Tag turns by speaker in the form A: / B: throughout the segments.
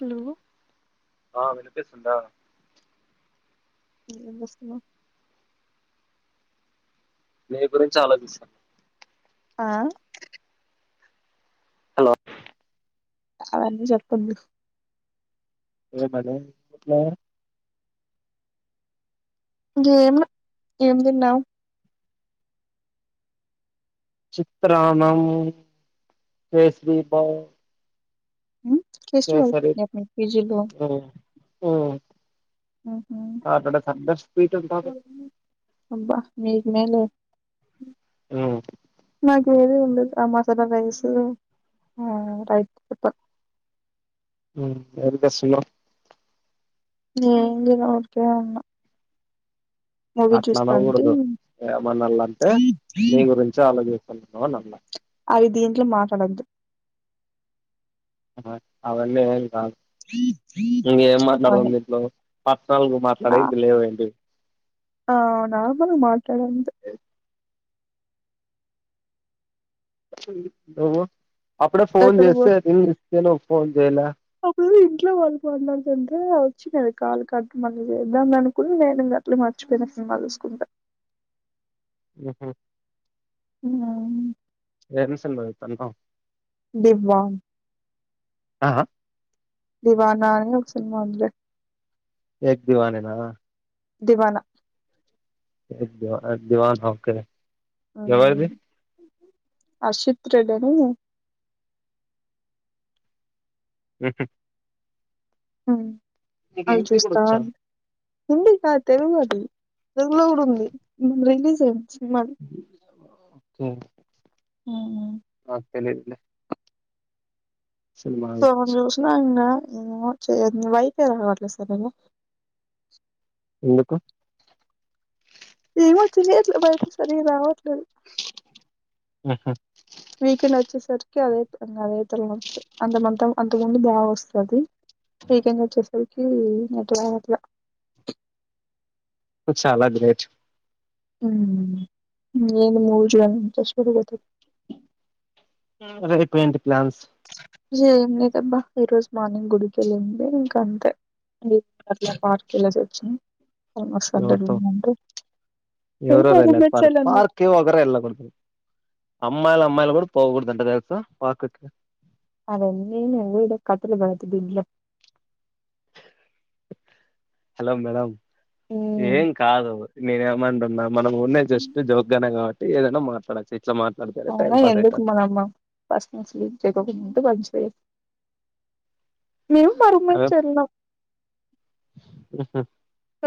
A: Hello
B: ఆ వినిపిస్తుందా
A: ఏం చేస్తునావ్
B: నీ గురించి ఆలోచిస్
A: ఆ
B: హలో
A: అవన్నీ చెప్పద్దు
B: ఏ మరే
A: ఇం ఏం ఏం తిన్నావు
B: చిత్రానము వేసిర్ప
A: ఉ ఫస్ట్ పీజీ లో
B: ఉమ్, ఉమ్,
A: ఉహు
B: అక్కడ సర్దర్ స్వీట్ ఉంటది
A: అబ్బా మీకు హలో
B: ఉ
A: మాకు ఏది ఉండదు ఆ మసాలా రైస్ ఆ రైట్ చెప్ప
B: ఉ ఎమ్ చేస్తునావ్
A: ఎం చేయలే ఊరకే ఉన్నా
B: అట్లా అనకూడదు ఏమన్నాళ అంటే నీ గురించి అలోచే స్తున్న అనాలా
A: అయి దీంట్లో మాట్లాడద్దు
B: అవన్నీ ఏం కాదు ఇంక ఏం
A: అవన్నీ
B: మాట్లాడదాం దీంట్లో పెర్సొనల్గా మాట్లాడే ఇది లేవడి
A: ఆ నార్మల్ గా మాట్లాడూ అంతే
B: నువో అప్పుడే ఫోన్
A: ఎక్కడికి పో
B: చేస్తేంగ్స్తను ఫోన్ చేయలే
A: ఇంట్లో వాళ్ళు మాట్లాడుతుంటే వచ్చినాది కాలు కట్ మళ్ళాని చేద్దాంలే అనుకుని నేను ఇంక అట్లే మ మర్చిపోయిన సినిమా చూసుకుంటా
B: ఉహు
A: ఉ
B: ఎమ్ సినిమా చూస్తానవ్
A: దీవ్వన్
B: ఆ
A: దివనా అని ఒక సినిమా ఉందిలే
B: ఏక్ దివానినా
A: దివానా
B: ఏక్ దోవన ఏక్ దోవన ఓకె
A: హ అషిత్ర రెడను
B: హుహు
A: ఆ
B: నీకు హిందీ కూడా వచ్చా
A: హిందీ కాదు తెలుగు అది తెలుగులో కూడా ఉంది మ రిలీజ్ అయింది సినిమా
B: ఉమ్
A: ఉహు
B: నాకు తెలిదలే
A: సగం చూసిన నిన్న వైఫై రావట్లేదు సరిగ్గా
B: ఎందుకు?
A: ఇమో తెలియదు సరిగ్గా రావట్లేదు
B: ఉహు
A: కి అదే అదే తలనొప్పి అంతమంత అంతకుముందు బాగా వస్తది. వీకెండ్ వచ్చేసరికి అట్లా అట్లా.
B: చాలా గ్రేట్.
A: ఉమ్ ఏ మూజు అని చూసుకుంటూ బతుకుతున్
B: ఉమ్ రేపు ఏంటి ప్లాన్స్?
A: ఏం లేదబ్బా ఈ రోజు మార్నింగ్ గుడికెళ్లెదుండె ఇంక అంతే అట్లా పార్కెళ్లేసి వచ్చిన సండే
B: ఎవరితో
A: [unintelligible]
B: ఎవరెవరు ఎళ్ళారు పార్క్, పార్క్ కి ఒకరే ఎళ్లకూడదు. అమ్మాయిలు అమ్మాయిలు కూడా పోకూడదంట తెలుసా పార్కుకి
A: అవన్నీ ఒంగోల్డ్ కపులు [unintelligible]
B: హలో మేడం, ఏం కాదు నేనేం ఏమంటున్నాం? మనం ఉన్నే జస్ట్ జోగ్గానే కాబట్టి ఏదైనా మాట్లాడచ్చు. ఇట్లా మాట్లాడితేనే టైం
A: అవునా
B: పాస్
A: ఎందుకు
B: అయితది
A: మనమ ఫస్ట్ నుంచి [unintelligible] కొంచెం నేను పరమ
B: అదే
A: చెల్లామ్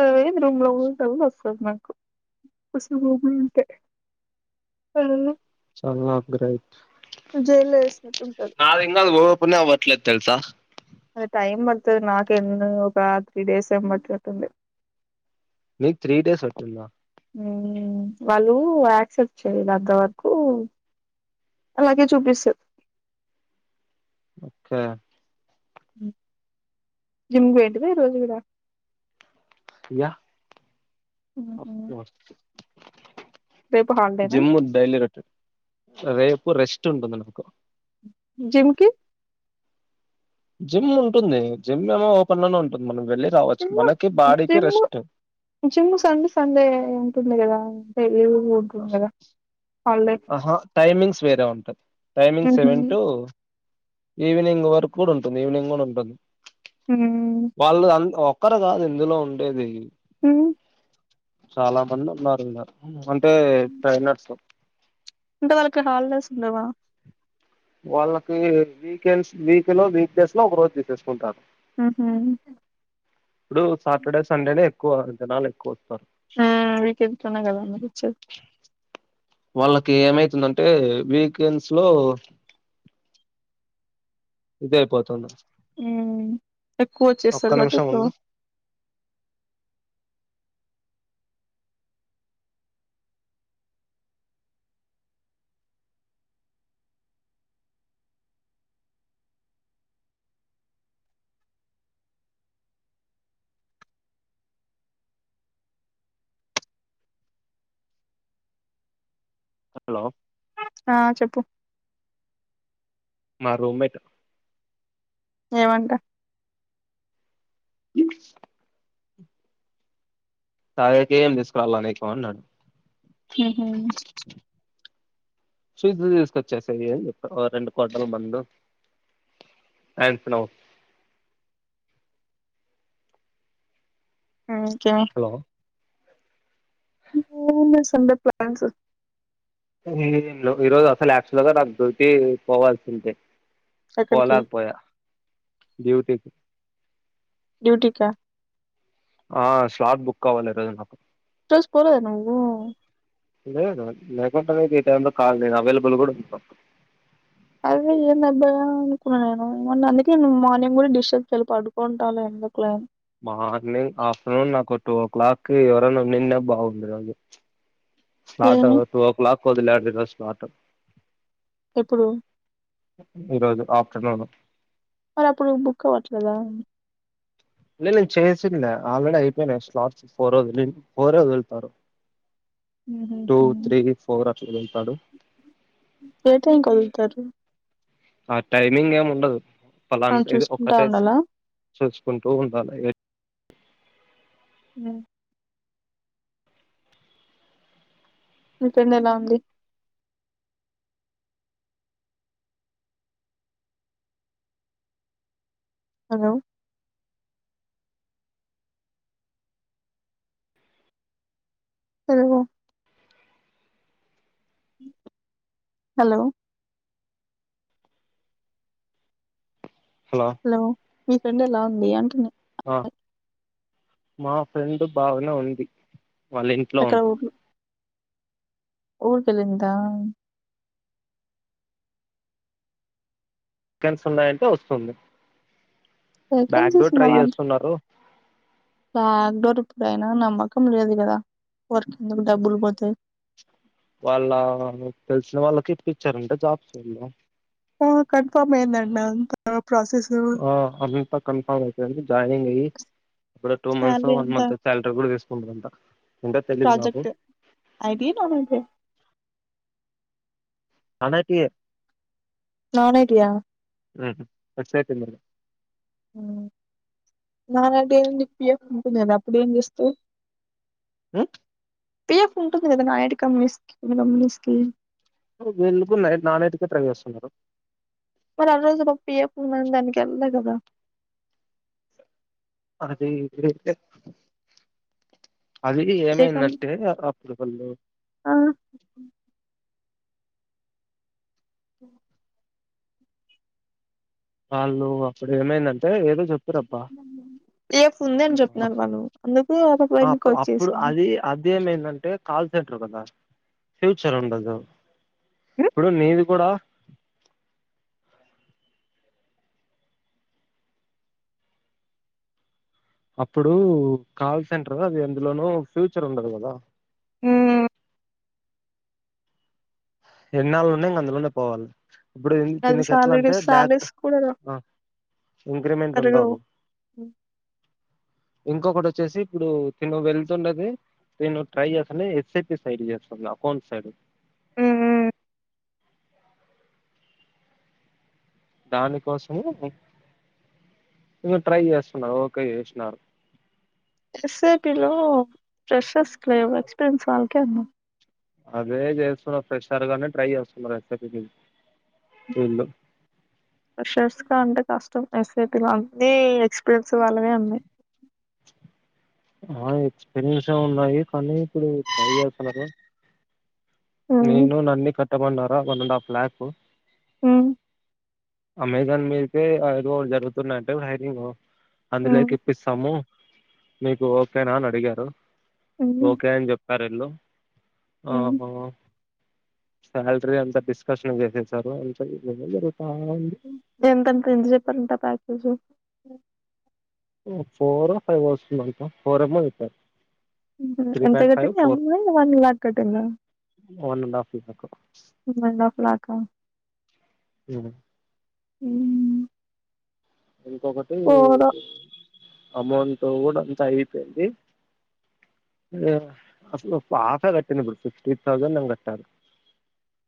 A: అదే రూమ్ లో ఉంటమ సస్తమా నాకు, మస్తు భూములు ఉంటై పలెలు
B: సరేనా ఓకే రైట్,
A: జైల్లో వేసినట్టు ఉంటది
B: నాది ఇంగా అది ఓపెనే అవ్వదు ట్లదు తెలుసా?
A: అదే టైం పడుతది నాకే ఎన్నో ఒక త్రీ డేస్ ఏమో పట్టినట్టుంది.
B: మీకు త్రీ డేస్ పట్టిందా?
A: వాళ్ళు యాక్సెప్ట్ చెయల అంత వరకు. అలాగే చూపిస్తది
B: ఆ
A: జిమ్ కి పోయితివా ఈ రోజు కూడా?
B: యా
A: ఉహు రేపు హాలిడేనా
B: జిమ్ము డైలీ రోటి, రేపు రెస్ట్ ఉంటది నాకు
A: జిమ్కి
B: జిమ్ ఉంటుంది జిమ్ ఏమో ఓపెన్ లోనే ఉంటుంది, మనం వెళ్లే
A: gym gym gym Sunday Sunday ఉంటుంది కదా. ఈవెనింగ్ ఉంటుంది గదా
B: ఆహా టైమింగ్స్ వేరే ఉంటది, టైమింగ్
A: ఉహు
B: సెవెన్ టు ఈవినింగ్ వరకు గుడ ఉంటుంది ఈవినింగ్ గుడ ఉంటుంది,
A: ఉమ్
B: వాళ్ళు అన్ ఒక్కరు కాదు ఇందులో ఉండేది.
A: ఉమ్
B: చాలా మంది ఉన్నారు ఇలా, అంటే ట్రైనర్స్
A: అంటే వాళ్ళకి హాలిడేస్ లేవా?
B: వాళ్ళకి వీకెండ్స్ వీక్ లో వీక్ డేస్ లో ఒక రోజు తీసేసుకుంటారు.
A: ఉహు ఉమ్
B: ఇప్పుడు సాటర్డే సండేనే ఎక్కువ, జనాలు ఎక్
A: ఉమ్ మీకు ఇష్టమే కదా అచ్
B: వాళ్ళకి ఏమైతుందంటే వీకెండ్స్ లో ఇది అయిపోతుంది.
A: ఎక్కువ
B: ఒక్క
A: వచ్చేస్తారు కట్టి
B: నిమిషం
A: ఇప్పుడు
B: ఉండు హలో
A: ఆ చెప్పు
B: మా రూమ్మేట్
A: ఏమంట
B: [inaudible] తాగేకి ఏం తీసుకురావాలా నీకు అన్నాడు
A: హుహు
B: [unintelligible] తీసుకొచ్చేసియే రెండు కోటర్ల మందు ఆంపినవ్
A: ఓకే
B: హలో
A: ఏం చేస్తూ సండే ప్లాన్స్
B: ఏం ఈ రోజు అసలు యాక్చువల్ గా నాకు డ్యూటీ పోవాల్సిందే పోవా
A: ఎక్కడికి
B: లేకపోయా డ్యూటీ
A: డ్యూటీ కా
B: ఆ స్లాట్ బుక్ అవ్వలే రోజు నాకు
A: ఈరోజు పోలేదా నువ్వు
B: లేదు లేకుంటే నేను ఈ టైంలో కాల్ నేను అవైలబుల్ కూడా ఉం
A: అదే ఏందబ్బా అనుకున్నా నేను మొన్న అందుకే మార్నింగ్ కూడా డిస్టర్బ్ చేయలే పడుకుంటావులే అని ఎందుకులే
B: మార్నింగ్ ఆఫ్టర్నూన్ నాకు టూ ఓ క్లాక్కి ఎవరనున్న బాగుండు స్లాట్
A: ఏమి
B: టూ ఓ క్లిక్ వదిలా రిజల్ట్స్ నాట్
A: ఎప్పుడు
B: ఈరోజు ఆఫ్టర్నూన్
A: మరి అప్పుడు బుక్ అవ్వట్లేదా
B: లే లేదు చేసినా ఆల్రెడీ అయిపోయినా స్లాట్స్ ఫోర్ వదిలి ఫోర్యే వదులుతారు
A: [inaudible] ఉహు
B: టూ త్రీ ఫోర్ అట్లా వదులుతాడు
A: ఏ టైం కి వదులుతారు
B: ఆ టైమింగ్ ఏమి ఉండదు
A: మనం
B: పలానా ఇది
A: చూసుకుంటా
B: ఒక్కటే
A: ఉండాలా
B: చూచుకుంటూ ఉండాలే
A: ఉమ్ మీ ఫ్రెండ్ ఎలా ఉంది హలో హలో హలో హలో మీ ఫ్రెండ్ ఎలా ఉంది అంటున్న
B: ఆ మా ఫ్రెండ్ బాగానే ఉంది వాళ్ళ ఇంట్లో
A: ఎక్కడ
B: ఉంది
A: ఊర్లో ఊరికెళ్ళిందా
B: వీకెండ్స్ ఉన్నాయంటే వస్తుంది బ్యాక్
A: వేకెన్సీస్
B: డోర్ ట్రై చేస్తున్నారు
A: బ్యాక్ డోర్ పైన నమ్మకం లేదు కదా వర్కింగ్ కు డబ్బులు పోతాయి
B: వాళ్ళ తెలిసిన వాళ్ళకి ఇప్పిచ్చారంట జాబ్స్ వాళ్ళు
A: ఆ కన్ఫామ్ అయ్యిందంటనా
B: ఆ అవి ఇంకా కన్ఫామ్ అయిపోయింది జాయినింగ్ అయ్యి ఇప్పుడు టూ మంత్స్
A: శాలరీ
B: వన్
A: అంతా
B: మంత్ సాలరీ కూడ తీసుకుంటా [unintelligible]
A: ప్రాజెక్ట్ [unintelligible]
B: [unintelligible]
A: నానైటీయ
B: [unintelligible]
A: నాన్ఐటి అయిన పిఎఫ్ వుంటది కదా అప్పుడు ఏం చేస్తవ్
B: ఉ
A: పిఎఫ్ ఉంటుంది నా ఐడి కం [unintelligible]
B: నే నైతే నానైట్కే ట్రై చేస్తున్నా
A: అదేదో పీఎఫ్ దానికెల్లలే కదా
B: అది అది
A: ఏ కం
B: ఏమైందంటే అ [unintelligible]
A: ఆ ఉ
B: వాళ్ళు అప్పుడు ఏమైందంటే ఏదో చె
A: రేపు ఉంది అని
B: అప్పు
A: చెప్పినరు వాళ్ళు అందుకు ఆపాప [unintelligible] వచ్చేసింది
B: ఇది ఏమైందంటే కాల్ [unintelligible] కదా ఫ్యూచర్ ఉండదు ఇప్పుడు నీది కూడ అప్పుడు కాల్ సెంటర్ అది ఎందులోనో ఫ్యూచర్ ఉండదు కద
A: ఉ
B: ఎన్నాళ్ళు ఉన్న ఇంగా అందులోనే పోవాల ఇప్పుడు
A: అది
B: దీనికి ఎట్ల
A: సాలడ్
B: అంటే బ్యాక్
A: సాలడ్స్ కూడా
B: ఇంక్రిమెంట్
A: పెరగవు
B: ఉండవు ఇంకొకటి వచ్చేసి ఇప్పుడు తిను వెళ్తున్నది నేను ట్రై చేస్తాండి ఎస్ఐపి సైడ్ చేస్తాను అకౌంట్ సైడ్ దానికోసమే ఇంగ ట్రై చే [unintelligible] న్నారు ఓకే చేసినారు
A: ఎస్ఐపిలో ఫ్రెషర్స్ లేవ్ ఎక్స్పీరియన్స్ వాళ్ళకే ఉ
B: అదే చేస్తున్నారు ఫ్రెషర్ గాని ట్రై చేస్తున్నారు ఎస్సఐ పీకి ఈళ్లు
A: ఫ్రెషర్స్ కి అంటే కష్టం ఎస్ఐటి అన్ని ఎక్స్పీరియన్స్ వాళ్ళయే ఉన్నాయి
B: ఆ ఎక్స్పీరియన్సే ఉన్నాయి కానీ ఇప్పుడు ట్రై చేస్తన్నారు నేను నన్ని కట్టమన్నారా వన్ అండ్ హాఫ్ ల్యాక్
A: ఉ
B: అమెజాన్ మీదకే ఐదు రోలు జరుగుతున్నాంట హైరింగ్ అందులేకి ఇప్పిస్తాము మీకు ఓకేన అని అడిగారు ఓకే అని చెప్పారు [unintelligible] సాలరీ అంత డిస్కషన్ చేసేసారు అంత [unintelligible] ఉంది
A: ఎంతంట ఎంత చెప్పారంట ప్యాకేజు
B: ఫోరో ఫైవో వస్తుందంట ఫోరెమో [unintelligible]
A: ఎంత కట్టింది అమ్మాయి వన్ లాక్ కట్టింద
B: one and half lakh
A: one and half lakh ఆ
B: ఉ
A: ఊ
B: ఇంకొకటి అమౌంట్ కూడా అంతా అయిపోయింది హే అసలు ఆఫే కట్టింది ఇప్పుడు ఫిఫ్టీ థౌసండ్ ఏమే కట్టరూ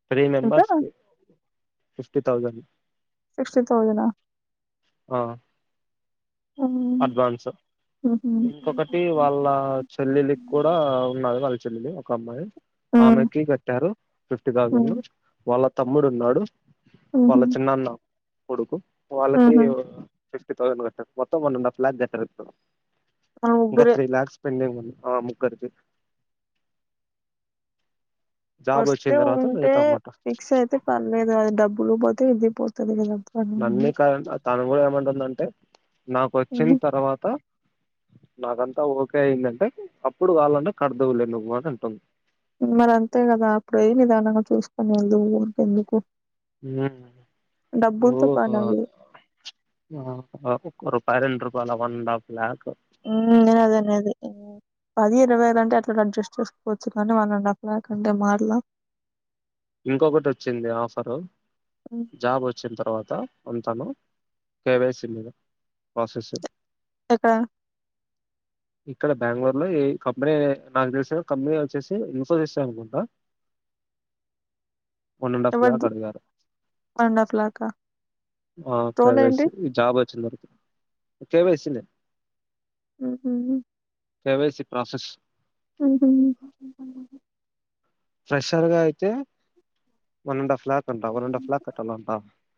B: త్రీ
A: ఎంత
B: మెంబర్స్కి ఫిఫ్టీ థౌజండ్
A: సిక్స్టీ తౌసండ్ నా
B: ఆ అడ్వాన్సు
A: ఉహు
B: ఇంకొకటి వాళ్ళ చెల్లెలికి కూడా ఉన్నాది వాళ్ళ చెల్లెలు ఒక అమ్మాయి ఆమెకి కట్టారు ఫిఫ్టి తౌసండ్ వాళ్ళ తమ్ముడు ఉన్నాడు. వాళ్ళ
A: ఉహు
B: చిన్నన్న కొడుకు వాళ్ళకి
A: ఉహు
B: ఫిఫ్టీ థౌసండ్ కట్టరూ మొత్తం వన్ అండ్ హఫ్ లాక్ కట్టారు ఇప్పుడు
A: ఆ
B: ఇంకా
A: ముగ్గురే
B: త్రీ ల్యాక్స్ పెండింగ్ ఉంది ఆ ముగ్గురికి జాబ్
A: వస్తే
B: వచ్చిన తర్వాత
A: ఉంటే
B: మిగతా అమౌంట్
A: ఫిక్స్ అయితే పర్లేదు అది డబ్బులు పోతే ఇది పోతది కదా పనుంది
B: నన్నే కా తను కూడా ఏమంటుందంటే నాకు వోచ్చిన
A: ఉమ్,
B: తర్వాత నాకంతా ఓకే అయిందంటే అప్పుడు కావాలంటే కడుదువులే నువ్వు కాని అంటుంది
A: మరి అంతే గాదా అప్పుడు పోయి నిదానంగా చూసుకునే వొళ్ళు ఊరికే ఎందుకు
B: నువ్వు
A: పనది
B: [unintelligible] పన్నెండు రూపాయల వన్ అండ్ హఫ్ ల్యాక్
A: నేను అదే అనేది పది ఇరవై వేల అంటే అట్లా అడ్జస్ట్ చేసుకోవచ్చు కానీ వన్ అండ్ ఆఫ్ లాక్ నఅంటే మాటలా
B: ఇంకొకటి వచ్చింది ఆఫరు
A: ఉమ్,
B: జాబ్ వచ్చిన తర్వాత అంత అంతాను కేవైసి మీద ప్రాసెస్
A: ఎక్కడ
B: ఇక్కడ బెంగళూరు లో ఏ ఈ కంపెనీ నాకు తెలిసిన కంపెనీ వచ్చేసి ఇన్ఫోసిస్ అనుకుంటా వన్ అండ్ హఫ్ లాక్
A: ఎవరిది
B: ఆడిగారు
A: వన్ అండ్ హాఫ్ లాకా
B: ఆ
A: రోల్ ఏంటి
B: కేవైసి ఈ జాబ్ వచ్చినా తర్వాత కేవైసి లే
A: ఉహ్
B: కెవైసి ప్రాసెస్
A: ఉహ్
B: ఫ్రెషర్ గా అయితే one and half lakh one and half lakh కట్టాలంట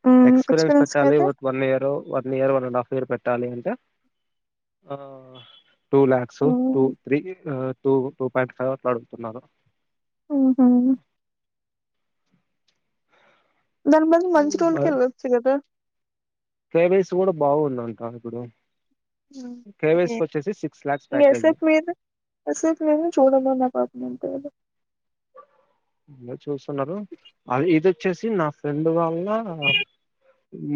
A: ఉమ్
B: ఎక్స్పీరియన్స్ పెట్టాలి
A: కయితే
B: ఒక వన్ ఇయర్ వాటిని one year one and half year పెట్టాలి అంటే టూ లాక్స్ టూ
A: ఉహు
B: three two two point five అట్లా అడుగుతున్నారు
A: ఉహ్ దాని బదలు మంచి రోల్ కి ఎల్లచ్చు గాదా
B: కేవైసి కూడా బాగుందంట ఇప్పుడు కేవైసి వచ్చేసి సి
A: ఎసఫ్ మీరు ఎసఫ్ మీరు చూడమ మను పాక లెదు
B: ఇలా చూస్తున్నారు అ ఆది ఇది వోచ్చేసి నా ఫ్రెండ్ అందువల్ల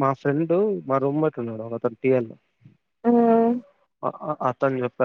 B: మా ఫ్రెండ్ మా రూమ్మెట్ ఉన్నాడు ఒక అతను టీ ఏల్ లో
A: హ్
B: ఆతను చెప్పడు